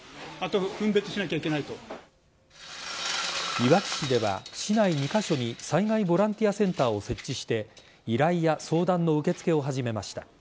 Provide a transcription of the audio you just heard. いわき市では市内２カ所に災害ボランティアセンターを設置して依頼や相談の受け付けを始めました。